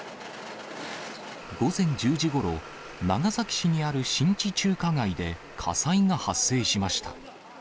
午前１０時ごろ、長崎市にある新地中華街で火災が発生しました。